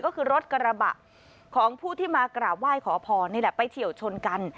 ก็คือรถกระบะของผู้ที่มากราบไหว้ขอพรนี่แหละไปเฉียวชนกัน